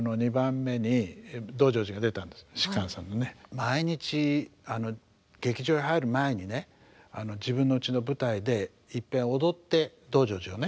毎日劇場へ入る前にね自分のうちの舞台でいっぺん踊って「道成寺」をね。